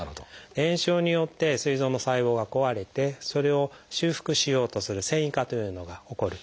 炎症によってすい臓の細胞が壊れてそれを修復しようとする「線維化」というのが起こる。